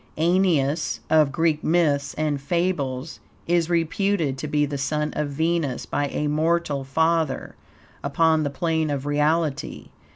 Aeneas, of Greek myths and fables, is reputed to be the son of Venus by a MORTAL father, upon the plane of reality.